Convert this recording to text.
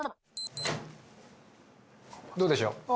どうでしょう？